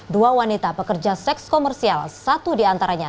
dua wanita pekerja seks komersial satu di antaranya